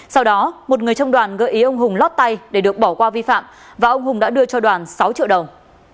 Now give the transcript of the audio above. sau đó một người trong đoàn gợi ý ông hùng lót tay để được bỏ qua vi phạm và ông hùng đã đưa cho đoàn sáu triệu đồng